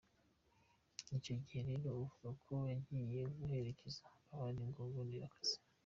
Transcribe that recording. Icyo gihe rero uvuga ko wagiye guherekeza abandi ngo bibonere akazi.